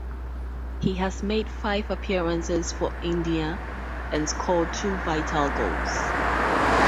He has made five appearances for India and scored two vital goals.